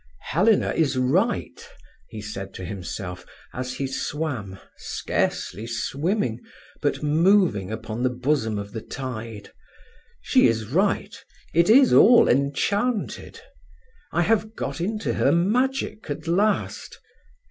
"Helena is right," he said to himself as he swam, scarcely swimming, but moving upon the bosom of the tide; "she is right, it is all enchanted. I have got into her magic at last.